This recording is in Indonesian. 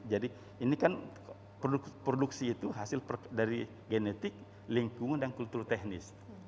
jadi ini kan produksi itu hasil dari genetik lingkungan dan kultur teknis